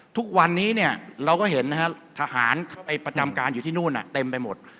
ทุกวันนี้เนี่ยเราก็เห็นนะฮะทหารไปประจำการอยู่ที่นู่นเต็มไปหมด